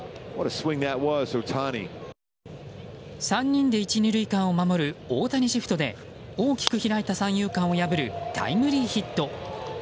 ３人で１、２塁間を守る大谷シフトで大きく開いた三遊間を破るタイムリーヒット。